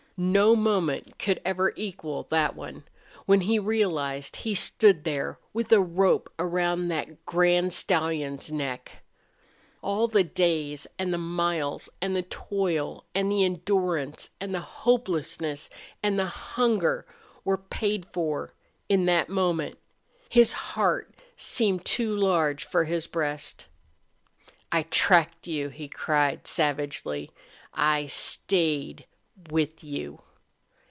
No moment could ever equal that one, when he realized he stood there with a rope around that grand stallion's neck. All the days and the miles and the toil and the endurance and the hopelessness and the hunger were paid for in that moment. His heart seemed too large for his breast. "I tracked you!" he cried, savagely. "I stayed with you!